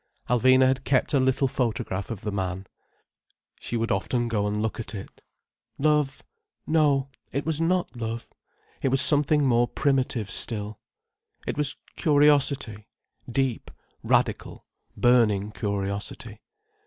Alvina had kept a little photograph of the man. She would often go and look at it. Love?—no, it was not love! It was something more primitive still. It was curiosity, deep, radical, burning curiosity.